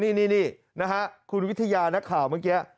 นี่นะฮะคุณวิทยานักข่าวเมื่อกี้